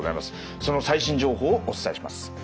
その最新情報をお伝えします。